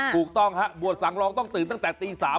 ถูกต้องฮะบวชสังลองต้องตื่นตั้งแต่ตี๓